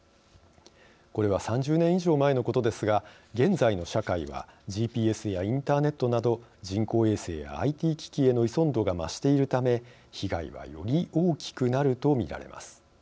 これは３０年以上前のことですが現在の社会はＧＰＳやインターネットなど人工衛星やＩＴ機器への依存度が増しているため被害はより大きくなると見られます。